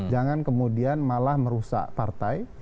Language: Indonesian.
jangan kemudian malah merusak partai